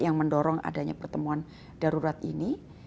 yang mendorong adanya pertemuan darurat ini